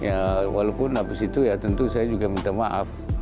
ya walaupun habis itu ya tentu saya juga minta maaf